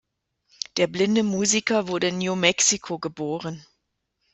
Der blinde Musiker wurde in New Mexico geboren.